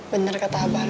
bener kata abah lo re